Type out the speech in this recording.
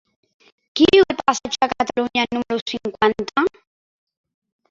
Qui viu al passatge de Catalunya número cinquanta?